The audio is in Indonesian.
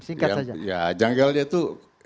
singkat saja ya janggalnya itu